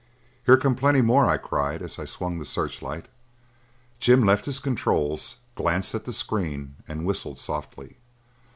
"Here come plenty more," I cried as I swung the searchlight. Jim left his controls, glanced at the screen and whistled softly.